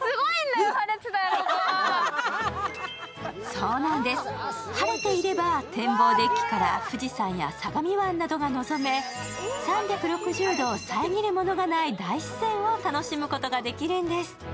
そうなんです、晴れていれば展望デッキから富士山や相模湾などが望め、３６０度遮るものがない大自然を楽しむことができるんです。